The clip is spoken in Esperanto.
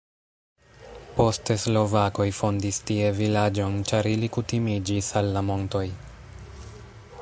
Poste slovakoj fondis tie vilaĝon, ĉar ili kutimiĝis al la montoj.